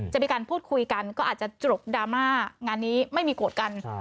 จะมีการพูดคุยกันก็อาจจะจบดราม่างานนี้ไม่มีโกรธกัน